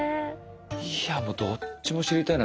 いやどっちも知りたいな。